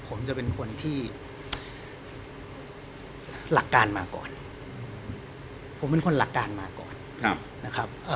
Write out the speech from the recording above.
ผมจะเป็นคนที่หลักการมาก่อนผมเป็นคนหลักการมาก่อนนะครับ